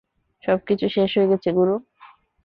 সবকিছু শেষ হয়ে গেছে, গুরু!